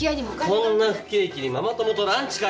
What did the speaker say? こんな不景気にママ友とランチかよ。